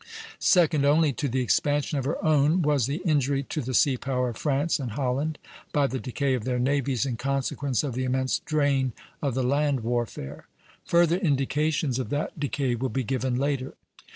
Second only to the expansion of her own was the injury to the sea power of France and Holland, by the decay of their navies in consequence of the immense drain of the land warfare; further indications of that decay will be given later.